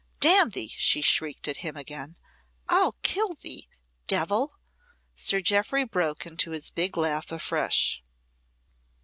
"Damn thee!" she shrieked at him again. "I'll kill thee, devil!" Sir Jeoffry broke into his big laugh afresh.